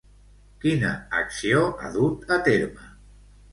Quina acció ha dut a terme?